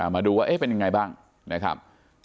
มาดูว่าเป็นยังไงบ้างนะครับ